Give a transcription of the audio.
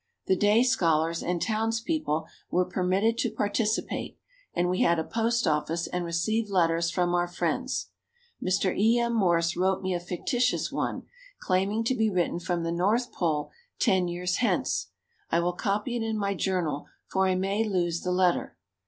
The day scholars and townspeople were permitted to participate and we had a post office and received letters from our friends. Mr. E. M. Morse wrote me a fictitious one, claiming to be written from the north pole ten years hence. I will copy it in my journal for I may lose the letter.